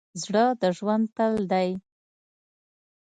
زړه د ژوند تل دی.